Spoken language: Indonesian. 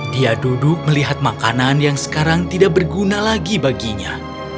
dia duduk melihat makanan yang sekarang tidak berguna lagi baginya